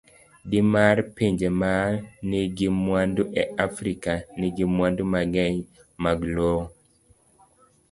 D. mar Pinje ma nigi mwandu e Afrika, nigi mwandu mang'eny mag lowo.